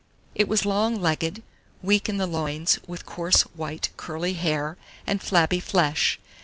It was long legged, weak in the loins, with coarse white curly hair, and flabby flesh.